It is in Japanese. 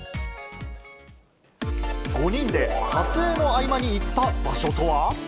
５人で撮影の合間に行った場